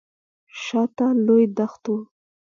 شاته لوی دښت و.